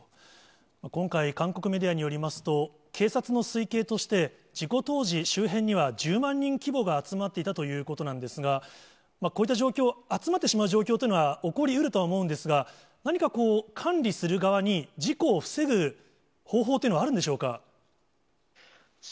今回、韓国メディアによりますと、警察の推計として、事故当時、周辺には１０万人規模が集まっていたということなんですが、こういった状況、集まってしまう状況というのは起こりうるとは思うんですが、何かこう、管理する側に事故を防ぐ方法というのはあるんでしょうか。